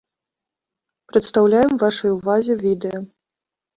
Прадстаўляем вашай ўвазе відэа!